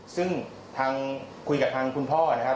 ซึ่งทางคุยกับทางคุณพ่อนะครับ